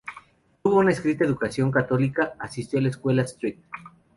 Tuvo una estricta educación católica, asistió a la escuela "St.